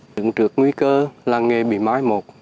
đứng trước nguy cơ làng nghề bị mái một